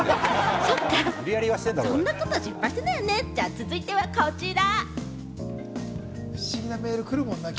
続いては、こちら。